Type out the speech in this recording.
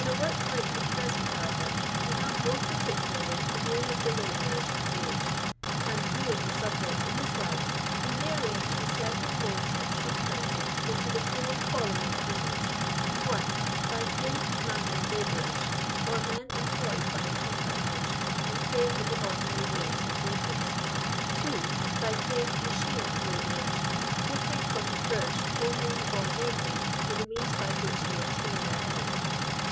In a work like the present, however, we have more particularly to deal with the lahojirers en gaged ; and, viewing the subject in this light, we may arrange the several modes of street cleansing into the four following divisions :— 1. By paid manual labourers, or men employed by the contractors, and paid in the ordinary ways of wages. 2. By paid " Machine " labourers, diflfering from the first only or mainly in the means by which they attain their end.